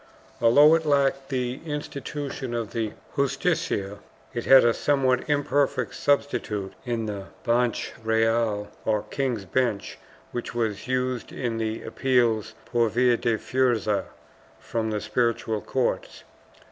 Although it lacked the institution of the Justicia, it had a somewhat imperfect substitute in the Banch Reyal, or King's Bench, which was used in the appeals por via de fuerza from the spiritual courts.